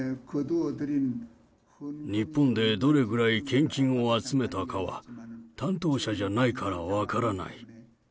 日本でどれぐらい献金を集めたかは、担当者じゃないから分からない。